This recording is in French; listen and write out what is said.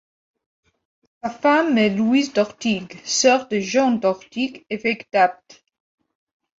Sa femme est Louise d'Ortigue, sœur de Jean d'Ortigue, évêque d'Apt.